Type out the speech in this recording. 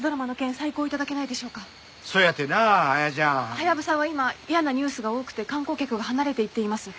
ハヤブサは今嫌なニュースが多くて観光客が離れていっています。